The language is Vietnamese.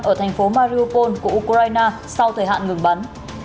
ở thành phố maropol của ukraine sau thời hạn ngừng bắn